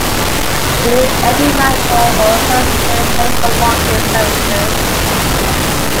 The Lee-Enfield rifle also featured helical locking surfaces.